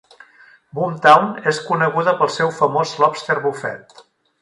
Boomtown és coneguda pel seu famós Lobster Buffet.